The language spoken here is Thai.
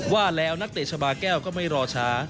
ว่าแล้วนักเตะชาบาแก้วก็ไม่รอช้า